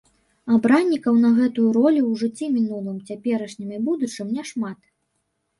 Абраннікаў на гэтую ролю ў жыцці мінулым, цяперашнім і будучым няшмат.